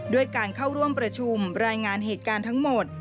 ด้วยการเข้าร่วมประชุมรายงานเหตุการณ์ทั้งหมด